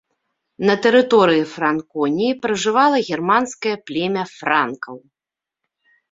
На тэрыторыі франконіі пражывала германскае племя франкаў.